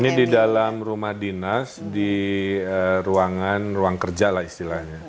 ini di dalam rumah dinas di ruangan ruang kerja lah istilahnya